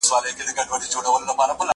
هغه څوک چي خواړه ورکوي مرسته کوي!؟